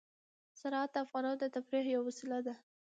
زراعت د افغانانو د تفریح یوه وسیله ده.